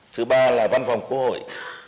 thứ ba là văn phòng quốc hội